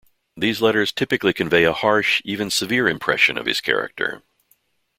These letters typically convey a harsh, even severe impression of his character.